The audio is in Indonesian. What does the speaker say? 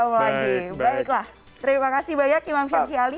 baiklah terima kasih banyak imam fersi ali